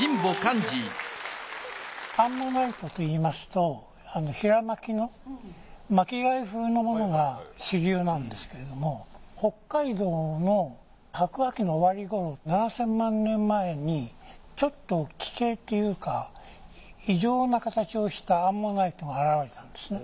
アンモナイトといいますと平巻きの巻き貝風のものが主流なんですけれども北海道の白亜紀の終わり頃７０００万年前にちょっと奇形っていうか異常な形をしたアンモナイトが現れたんですね。